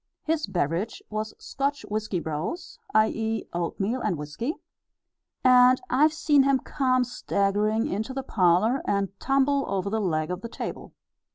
His beverage was Scotch whiskey brose, i.e., oatmeal and whiskey; and I've seen him come staggering into the parlour and tumble over the leg of the table.